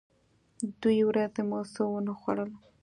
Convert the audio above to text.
دوې ورځې مو څه و نه خوړل.